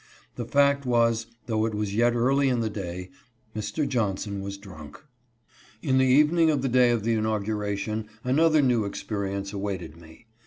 The fact was, though it was yet early in the day, Mr. Johnson was drunk. In the evening of the day of the inauguration, another new experience awaited me.